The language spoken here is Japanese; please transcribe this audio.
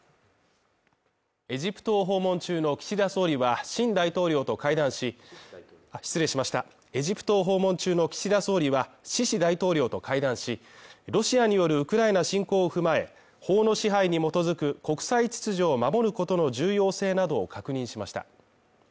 エジプト訪問中の岸田総理はエジプトを訪問中の岸田総理は、シシ大統領と会談し、ロシアによるウクライナ侵攻を踏まえ、法の支配に基づく国際秩序を守ることの重要性などを確認しました。